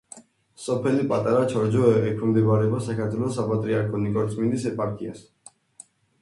სოფელი პატარა ჩორჯო ექვემდებარება საქართველოს საპატრიარქოს ნიკორწმინდის ეპარქიას.